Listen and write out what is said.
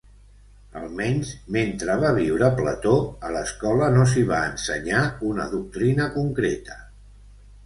Almenys mentre va viure Plató, a l'escola no s'hi va ensenyar una doctrina concreta.